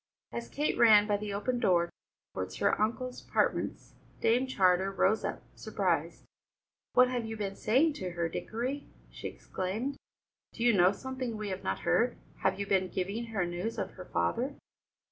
As Kate ran by the open door towards her uncle's apartments, Dame Charter rose up, surprised. "What have you been saying to her, Dickory?" she exclaimed. "Do you know something we have not heard? Have you been giving her news of her father?"